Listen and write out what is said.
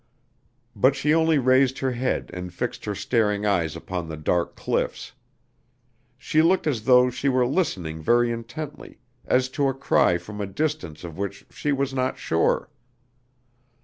But she only raised her head and fixed her staring eyes upon the dark cliffs. She looked as though she were listening very intently, as to a cry from a distance of which she was not sure.